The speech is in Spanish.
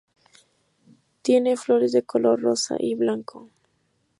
Tiene flores de color rosa y blanco.